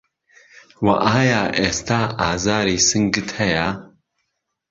وه ئایا ئێستا ئازاری سنگت هەیە